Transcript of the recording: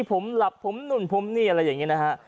ผมหลับผมนู่นผมนี่อะไรอย่างนี้นะฮะ